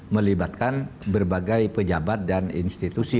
melibatkan berbagai pejabat dan institusi